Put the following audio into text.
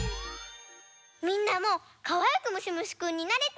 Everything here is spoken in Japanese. みんなもかわいくむしむしくんになれた？